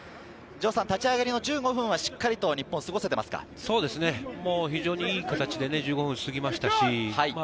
立ち上がりの１５分は日本はちゃ非常にいい形で１５分が過ぎました。